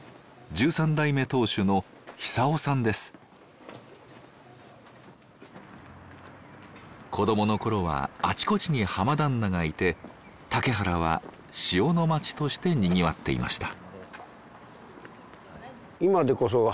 代目当主の子どものころはあちこちに浜旦那がいて竹原は塩の町として賑わっていました。